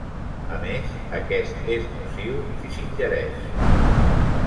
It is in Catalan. A més, aquest és nociu si s'ingereix.